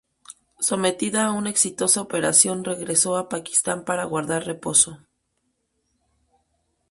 Sometida a una exitosa operación regresó a Pakistán para guardar reposo.